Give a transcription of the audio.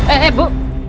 eh eh bu